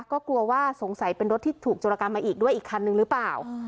ก็กลัวว่าสงสัยเป็นรถที่ถูกโจรกรรมมาอีกด้วยอีกคันนึงหรือเปล่า